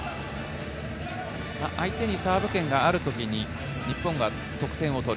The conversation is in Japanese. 相手にサーブ権がある時に日本は得点を取る。